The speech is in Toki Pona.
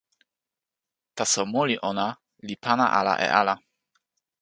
taso moli ona li pana ala e ala.